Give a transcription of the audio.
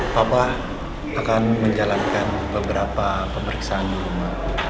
papa akan menjalankan beberapa pemeriksaan rumah